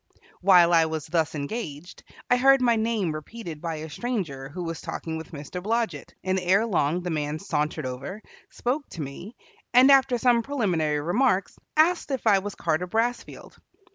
While I was thus engaged, I heard my name repeated by a stranger who was talking with Mr. Blodget, and erelong the man sauntered over, spoke to me, and after some preliminary remarks asked if I was Carter Brassfield.